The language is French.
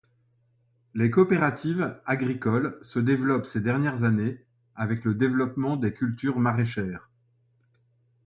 Les coopératives agricoles se développement ces dernières années avec le développement des cultures maraichères.